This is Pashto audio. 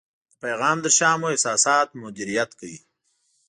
د پیغام تر شا مو احساسات مدیریت کړئ.